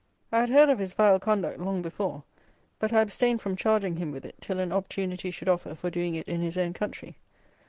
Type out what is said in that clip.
I had heard of his vile conduct long before; but I abstained from charging him with it till an opportunity should offer for doing it in his own country.